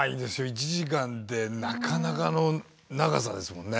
１時間ってなかなかの長さですもんね。